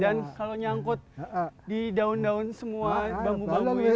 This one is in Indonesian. dan kalau nyangkut di daun daun semua bambu bambu ini